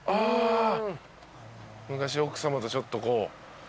昔奥さまとちょっとこう。